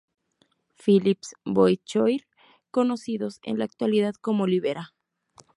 Philips Boys Choir, conocidos en la actualidad como Libera.